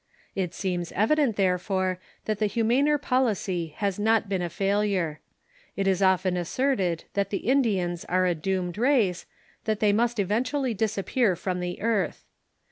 It seems evident, therefore, that the humaner policy has not been a failure. It is often asserted that the Indians are a doomed race, that they must event ually disappear fi'otn the earth.